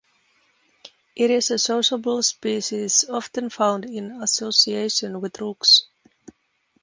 It is a sociable species often found in association with rooks.